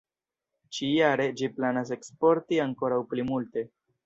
Ĉi-jare ĝi planas eksporti ankoraŭ pli multe.